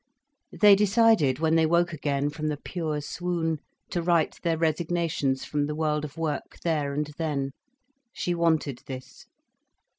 They decided, when they woke again from the pure swoon, to write their resignations from the world of work there and then. She wanted this.